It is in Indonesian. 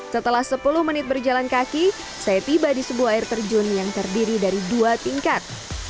setelah sepuluh menit berjalan kaki saya tiba di sebuah air terjun yang terdiri dari dua tingkat